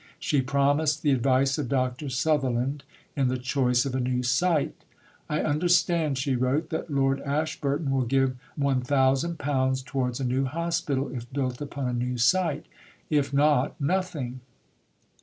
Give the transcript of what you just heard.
She promised the advice of Dr. Sutherland in the choice of a new site. "I understand," she wrote, "that Lord Ashburton will give £1000 towards a new hospital, if built upon a new site; if not, nothing."